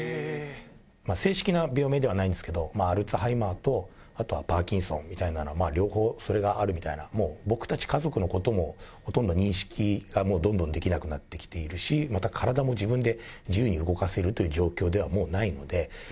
正式な病名ではないんですけど、アルツハイマーと、あとはパーキンソンみたいなのが、両方それがあるみたいな、もう僕たち家族のことも、ほとんど認識、もうどんどんできなくなってきてるし、また体も自分で自由に動かせるという状況ではもうないので。